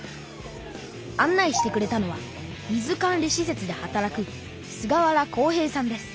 案内してくれたのは水管理しせつで働く菅原幸平さんです。